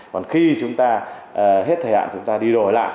còn khi chúng ta hết thẻ hạ chúng ta đi đổi lại